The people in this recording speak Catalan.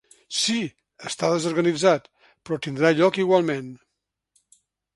Sí, està desorganitzat però tindrà lloc igualment.